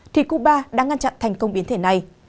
thì cuba đang ngăn chặn thành công biến thể này